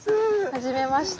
はじめまして。